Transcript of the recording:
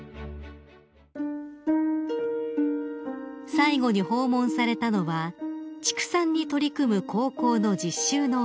［最後に訪問されたのは畜産に取り組む高校の実習農場］